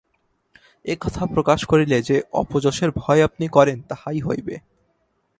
অতএব এ কথা প্রকাশ করিলে যে অপযশের ভয় আপনি করেন, তাহাই হইবে।